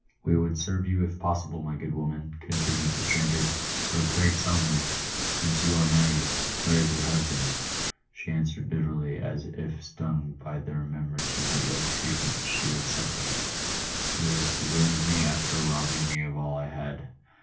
" "We would serve you if possible, my good woman," continued the stranger; "so pray tell me, since you are married, where is your husband ?" She answered bitterly, as if stung by the remembrance of the ill treatment she had suffered, " He has deserted me after robbing me of all I had."